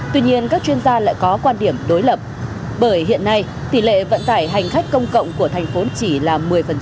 tuy nhiên các chuyên gia lại có quan điểm đối lập bởi hiện nay tỷ lệ vận tải hành khách công cộng của thành phố chỉ là một mươi